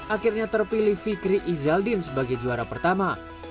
akhirnya terpilih fikri izaldin sebagai juara pertama